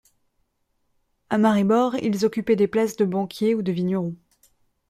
À Maribor, ils occupaient des places de banquiers ou de vignerons.